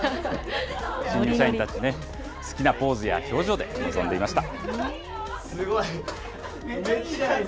新入社員たち、好きなポーズや表情で臨んでいました。